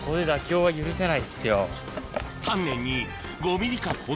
はい。